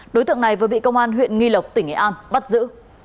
đối tượng này vừa bị công an huyện nghi lộc tỉnh nghệ an bắt giữ